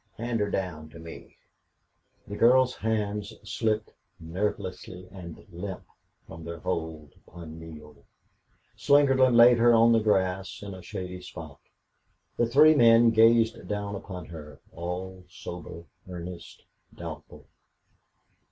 Hand her down to me." The girl's hands slipped nervelessly and limply from their hold upon Neale. Slingerland laid her on the grass in a shady spot. The three men gazed down upon her, all sober, earnest, doubtful.